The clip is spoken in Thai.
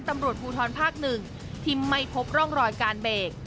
ตำรวจภูทรภาค๑ที่ไม่พบร่องรอยการเบรก